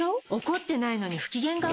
怒ってないのに不機嫌顔？